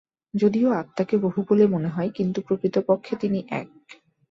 যদিও আত্মাকে বহু বলে মনে হয়, কিন্তু প্রকৃতপক্ষে তিনি এক।